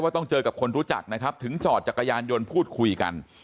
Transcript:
ต้องเจอกับคนรู้จักนะครับถึงจอดจักรยานยนต์พูดคุยกัน